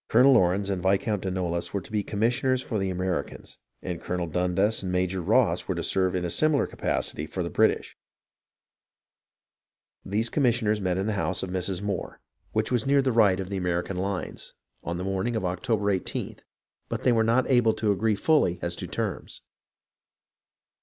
Colonel Laurens and Viscount de Noailles were to be the commissioners for the Ameri cans, and Colonel Dundas and Major Ross were to serve in a similar capacity for the British. These commissioners met in the house of Mrs. Moore, which was near the right THE SURRENDER OF CORNWALLIS 38 1 of the American lines, on the morning of October i8th, but they were not able to agree fully as to terms.